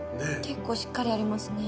結構しっかりありますね。